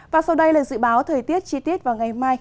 và sau đây là dự báo thời tiết chi tiết vào ngày mai